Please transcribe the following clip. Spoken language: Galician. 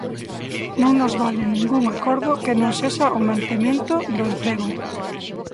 Non nos vale ningún acordo que non sexa o mantemento do emprego.